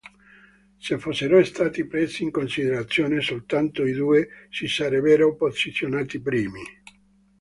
Se fossero stati presi in considerazione soltanto i due si sarebbero posizionati primi.